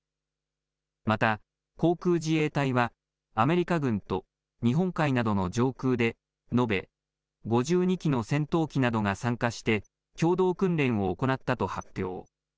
また航空自衛隊はアメリカ軍と日本海などの上空で延べ５２機の戦闘機などが参加して共同訓練を行ったと発表。